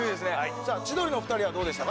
さあ、千鳥のお２人はどうでしたか。